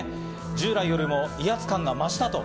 従来よりも威圧感が増したと。